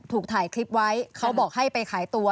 ถูกถ่ายคลิปไว้เขาบอกให้ไปขายตัว